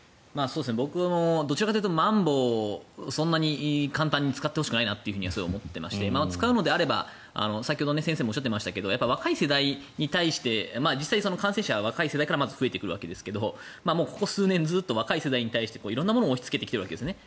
僕もどちらかというとまん防、そんなに簡単に使ってほしくないなとすごい思ってまして使うのであれば先ほど、先生もおっしゃっていましたが若い世代に対して実際に感染者は若い世代からまず増えてくるわけですがここ数年、ずっと若い世代に対して色んなものを押しつけてきてるわけですね。